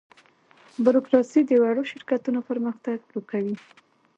بوروکراسي د وړو شرکتونو پرمختګ ورو کوي.